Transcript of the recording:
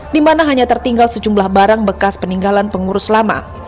di mana hanya tertinggal sejumlah barang bekas peninggalan pengurus lama